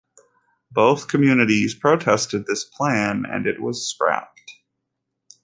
Both communities protested this plan and it was scrapped.